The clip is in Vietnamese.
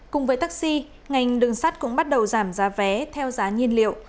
cùng với taxi ngành đường sắt cũng bắt đầu giảm giá vé theo giá nhiên liệu